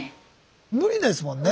無理ですもんね。